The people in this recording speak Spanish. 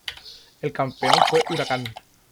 El campeón fue Huracán.